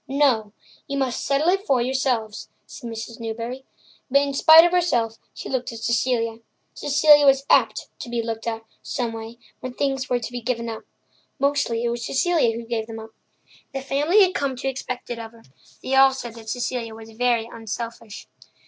"No; you must settle it for yourselves," said Mrs. Newbury. But in spite of herself she looked at Cecilia. Cecilia was apt to be looked at, someway, when things were to be given up. Mostly it was Cecilia who gave them up. The family had come to expect it of her; they all said that Cecilia was very unselfish.